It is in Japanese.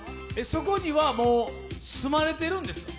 そこにはもう住まれてるんですか？